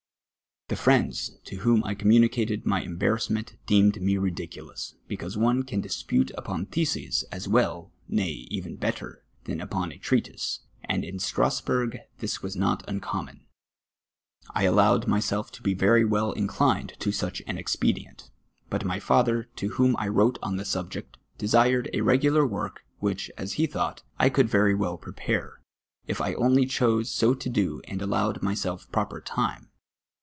The friends to whom I commimicated my embarrassment deemed me ridiculous, because one can dispute upon theses as well, nay, even better, than upon a treatise, and in Strasbm'g this was not uncommon. I allowed myself to be very well in clined to such an expedient, but my father, to whom I ^^Tote on the subject, desii'cd a regular work, which, as he thought, I coidd veiy well prepare, if I only chose so to do and allowed myself proper time.